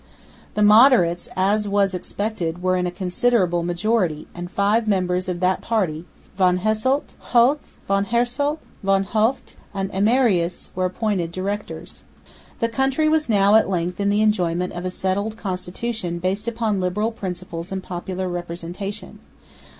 The moderates, as was expected, were in a considerable majority; and five members of that party, Van Hasselt, Hoeth, Van Haersolte, Van Hoeft and Ermerius were appointed Directors. The country was now at length in the enjoyment of a settled constitution based upon liberal principles and popular representation.